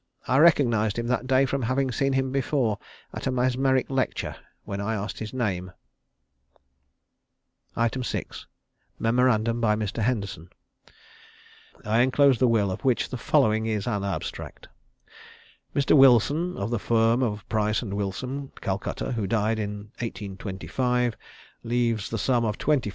I recognised him that day from having seen him before at a mesmeric lecture, when I asked his name." 6. Memorandum by Mr. Henderson. I enclose the will of which the following is an abstract: "Mr. Wilson, of the firm of Price & Wilson, Calcutta, who died in 1825, leaves the sum of 25,375_l_.